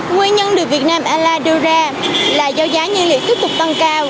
nguyên nhân được vn airlines đưa ra là do giá nhiên liệu tiếp tục tăng cao